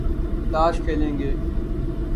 تاش کھیلیں گے